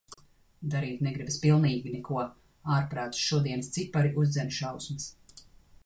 Darīt negribas pilnīgi neko. Ārprāts, šodienas cipari uzdzen šausmas.